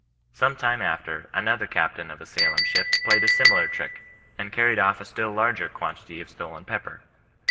Some time after, another captain of a Salem ship played a similar trick, and carried off a still larger quantity of stolen pepper.